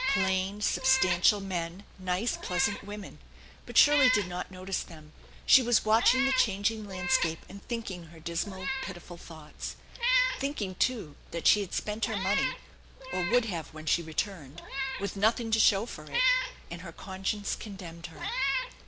Plain, substantial men, nice, pleasant women ; but Shirley did not notice them ; she was watching the changing landscape and thinking her dismal, pitiful thoughts. Thinking, too, that she had spent her money or would have when she returned, with nothing to show for it, and her conscience condemned her.